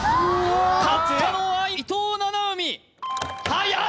勝ったのは伊藤七海はやい！